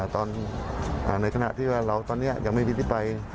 ในขณะที่ว่าเราตอนนี้ยังไม่มีที่ไป